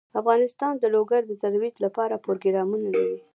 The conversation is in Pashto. افغانستان د لوگر د ترویج لپاره پروګرامونه لري.